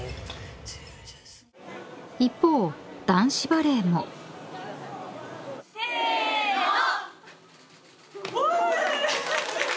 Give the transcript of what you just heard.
［一方男子バレーも］せーの。